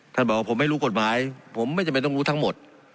ท่านบอกว่าผมไม่รู้กฎหมายผมไม่จำเป็นต้องรู้ทั้งหมด